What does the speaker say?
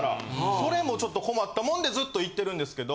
それもちょっと困ったもんでずっと行ってるんですけど。